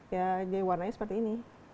ya jadi warnanya seperti ini